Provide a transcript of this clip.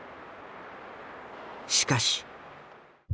しかし。